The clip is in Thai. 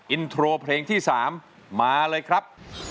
อินโทรเพลงที่๓มาเลยครับ